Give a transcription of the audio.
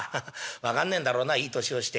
分かんねえんだろうないい年をして」。